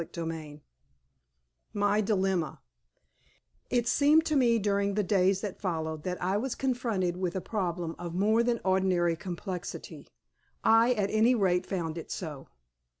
CHAPTER XXIV MY DILEMMA It seemed to me during the days that followed that I was confronted with a problem of more than ordinary complexity. I at any rate found it so.